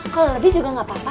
kalau lebih juga gak apa apa